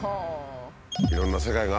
いろんな世界があるね。